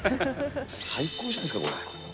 最高じゃないですか、これ。